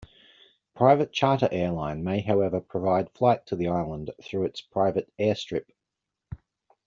Private charter airline may however provide flight to the island through its private airstrip.